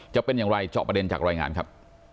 จะเป็นอย่างไรเจาะประเด็นจากรายงานครับ